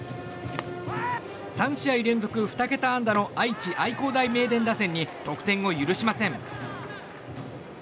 ３試合連続２桁安打の愛知・愛工大名電打線に得点を許しません。